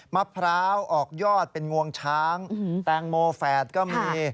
มะพร้าวออกยอดเป็นงวงช้างแตงโมแฝดก็มี